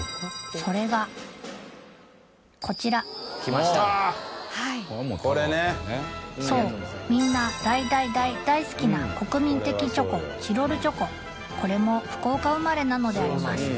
こちらそうみんな大大大大好きな国民的チョコチロルチョコこれも福岡生まれなのであります